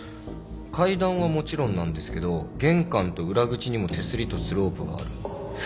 階段はもちろんなんですけど玄関と裏口にも手すりとスロープがある。